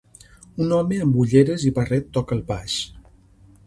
Un home amb ulleres i barret toca el baix.